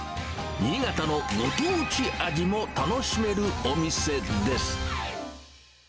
新潟のご当地味も楽しめるお店です。